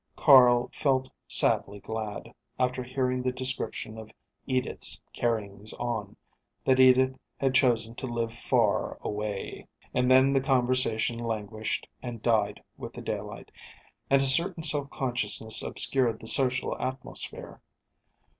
Carl felt sadly glad, after hearing the description of Edith's carryings on, that Edith had chosen to live far away. And then the conversation languished and died with the daylight, and a certain self consciousness obscured the social atmosphere.